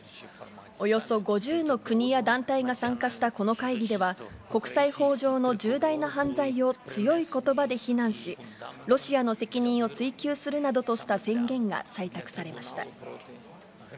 およそ５０の国や団体が参加したこの会議では、国際法上の重大な犯罪を、強いことばで非難し、ロシアの責任を追及するなどとした宣言が採択されました。